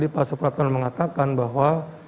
pak supratman mengatakan bahwa